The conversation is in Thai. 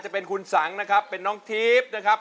จะเป็นคุณสังนะครับเป็นน้องทีฟนะครับ